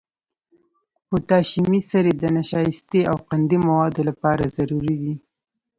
پوتاشیمي سرې د نشایستې او قندي موادو لپاره ضروري دي.